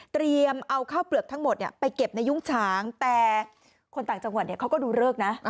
เอาข้าวเปลือกทั้งหมดไปเก็บในยุ้งฉางแต่คนต่างจังหวัดเขาก็ดูเลิกนะ